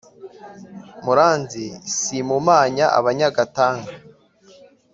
muranzi simpumanya abanyagatanga.